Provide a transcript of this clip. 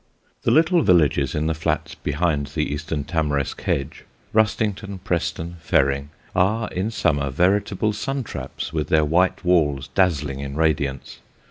The little villages in the flats behind the eastern tamarisk hedge Rustington, Preston, Ferring, are, in summer, veritable sun traps, with their white walls dazzling in radiance.